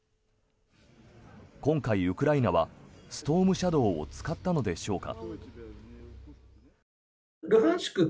今回、ウクライナはストームシャドーを使ったのでしょうか。